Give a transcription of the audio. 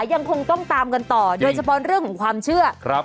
ยังคงต้องตามกันต่อโดยเฉพาะเรื่องของความเชื่อ